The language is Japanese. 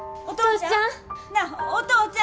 なあお父ちゃん！